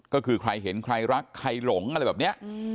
ก็คือใครเห็นใครรักใครหลงอะไรแบบนี้